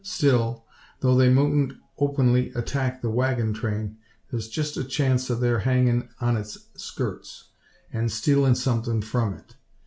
Still, tho' they moutn't openly attack the waggon train, thar's jest a chance o' their hangin' on its skirts, an' stealin' somethin' from it.